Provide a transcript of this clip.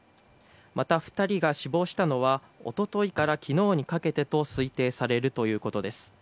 また２人が死亡したのは一昨日から昨日にかけてと推定されるということです。